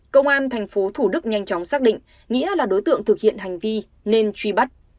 công an tp thủ đức nhanh chóng xác định nghĩa là đối tượng thực hiện hành vi nên truy bắt